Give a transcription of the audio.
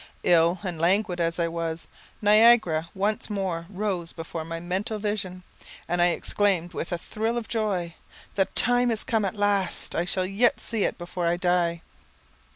Ill and languid as I was, Niagara once more rose before my mental vision, and I exclaimed, with a thrill of joy, "The time is come at last I shall yet see it before I die."